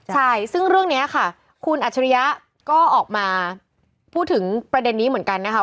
ใช่ซึ่งเรื่องนี้ค่ะคุณอัจฉริยะก็ออกมาพูดถึงประเด็นนี้เหมือนกันนะคะ